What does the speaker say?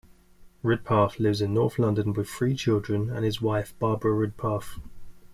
Ridpath lives in north London with three children and his wife, Barbara Ridpath.